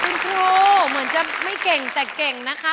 คุณครูเหมือนจะไม่เก่งแต่เก่งนะคะ